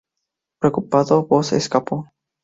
Preocupado, Vos escapó.